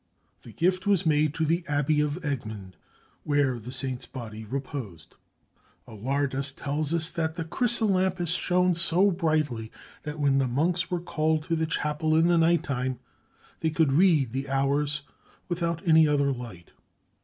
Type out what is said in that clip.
The gift was made to the Abbey of Egmund, where the saint's body reposed. Alardus tells us that the "chrysolampis" shone so brightly that when the monks were called to the chapel in the night time, they could read the Hours without any other light.